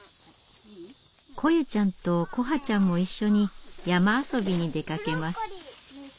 來夢ちゃんと來華ちゃんも一緒に山遊びに出かけます。